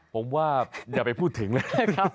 ผมว่าอย่าไปพูดถึงเลย